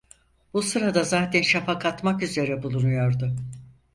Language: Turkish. Bu sırada zaten şafak atmak üzere bulunuyordu.